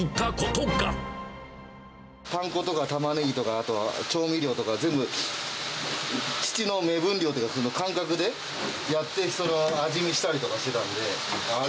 パン粉とか、タマネギとか、あとは調味料とか全部、父の目分量というか、感覚で、やって、味見したりとかしてたんで、あ、